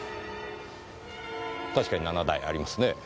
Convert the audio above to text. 確かに７台ありますねぇ。